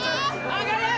上がれ。